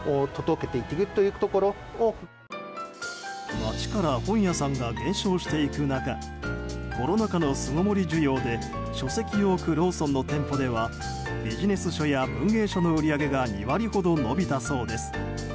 街から本屋さんが減少していく中コロナ禍の巣ごもり需要で書籍を置くローソンの店舗ではビジネス書や文芸書の売り上げが２割ほど伸びたそうです。